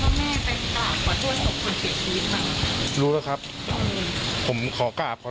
เห็นน้องไหว้ไหว้ตรงที่ที่คนตายนอนอีกกับเซเว่น